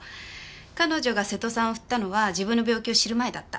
彼女が瀬戸さんをふったのは自分の病気を知る前だった。